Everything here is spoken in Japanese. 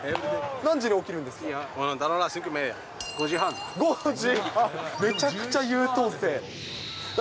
何時に起きるんですか？